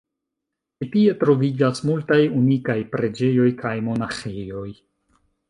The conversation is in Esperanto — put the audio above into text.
Ĉi tie troviĝas multaj unikaj preĝejoj kaj monaĥejoj.